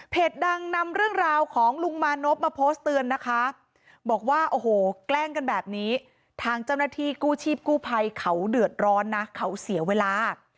ดังนำเรื่องราวของลุงมานพมาโพสต์เตือนนะคะบอกว่าโอ้โหแกล้งกันแบบนี้ทางเจ้าหน้าที่กู้ชีพกู้ภัยเขาเดือดร้อนนะเขาเสียเวลา